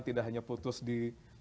tidak hanya putus di